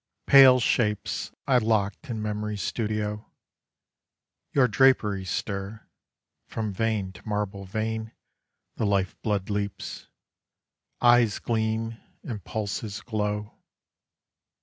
_ Pale shapes I locked in memory's studio, Your draperies stir. From vein to marble vein The life blood leaps. Eyes gleam, and pulses glow.